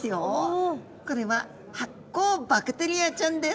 これは発光バクテリアちゃんです。